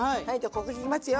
ここ行きますよ。